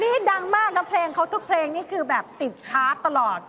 นี่ดังมากนะเพลงเขาทุกเพลงนี่คือแบบติดชาร์จตลอด